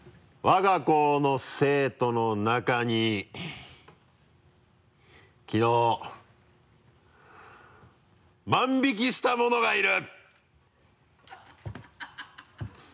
「わが校の生徒の中にきのう万引きした者がいる」